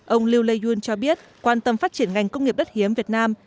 ông lưu lê yun cho biết quan tâm phát triển ngành công nghiệp đất hiếm việt nam